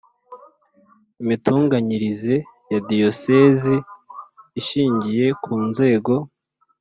Imitunganyirize ya diyosezi ishingiye ku nzego